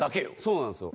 そうなんですよ。